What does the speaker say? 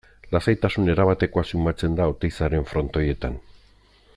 Lasaitasun erabatekoa sumatzen da Oteizaren Frontoietan.